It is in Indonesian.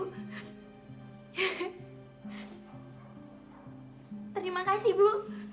terima kasih bu